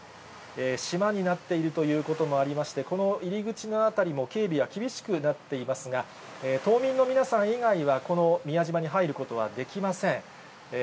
島になっているということもありまして、この入り口の辺りも警備は厳しくなっていますが、島民の皆さん以外はこの宮島に入ることはできません。